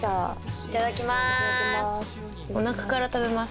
いただきまーす。